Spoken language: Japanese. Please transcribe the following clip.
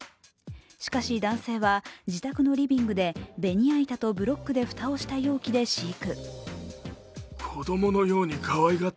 しかし、男性は、自宅のリビングでベニヤ板とブロックで蓋をした容器で飼育。